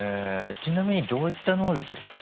ちなみにどういった能力ですか？